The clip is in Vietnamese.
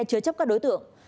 chứa chấp các đối tượng